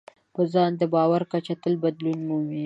په ځان د باور کچه تل بدلون مومي.